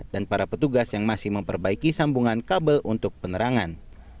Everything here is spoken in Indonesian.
dan para petugas yang masih memperbaiki sambungan kabel untuk penerangan